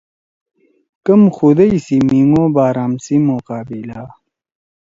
کم خُدئی سی میِنگ او بہرام سی مقابلا